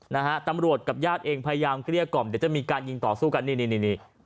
นะฮะตำรวจกับญาติเองพยายามเกลี้ยกล่อมเดี๋ยวจะมีการยิงต่อสู้กันนี่นี่นี่นี่